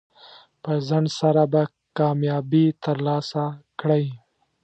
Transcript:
په ځنډ سره به کامیابي ترلاسه کړئ.